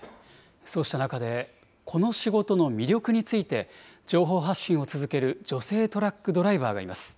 そうした中で、この仕事の魅力について、情報発信を続ける女性トラックドライバーがいます。